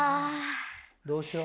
どうしよう？